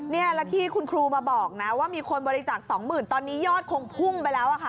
เนี่ยแล้วที่คุณครูมาบอกนะว่ามีคนบริจาค๒๐๐๐๐ตอนนี้ยอดคงโพงไปแล้วค่ะ